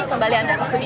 kembali anda ke studio